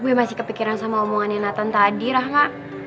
gue masih kepikiran sama omongannya nathan tadi rahma